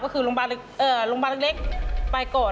ก็คือโรงพยาบาลเล็กไปก่อน